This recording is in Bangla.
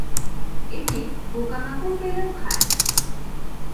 এটি, পোকা-মাকড় পেলেও খায়